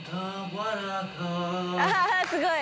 あすごい！